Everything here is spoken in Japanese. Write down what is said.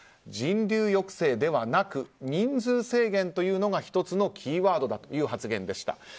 人流抑制ではなく人数制限というのが１つのキーワードだという発言でした。